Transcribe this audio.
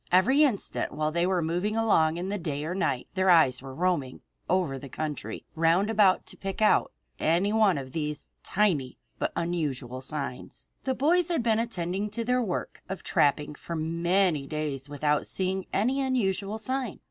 Every instant while they were moving along in the day or night their eyes were roaming over the country round about to pick out any one of these tiny but unusual signs. The boys had been attending to their work of trapping for many days without seeing any unusual sign.